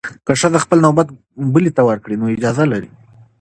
که ښځه خپل نوبت بلې ته ورکړي، نو اجازه لري.